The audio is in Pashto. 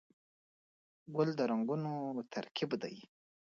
ګل د رنګونو ترکیب دی.